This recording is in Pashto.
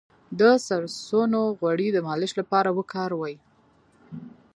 د سرسونو غوړي د مالش لپاره وکاروئ